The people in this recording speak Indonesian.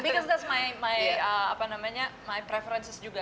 karena itu juga preferensi saya